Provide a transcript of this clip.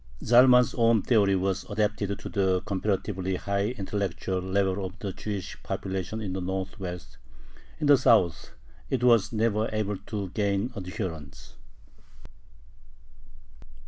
Zalman's own theory was adapted to the comparatively high intellectual level of the Jewish population of the Northwest. In the South it was never able to gain adherents.